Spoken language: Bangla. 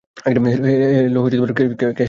হ্যালো, ক্যাশ টাকা আছে?